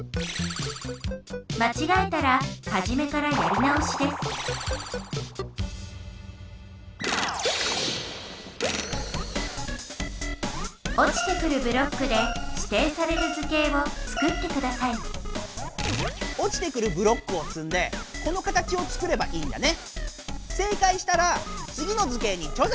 まちがえたらはじめからやり直しですおちてくるブロックでしていされた図形をつくってくださいおちてくるブロックをつんでこの形をつくればいいんだね。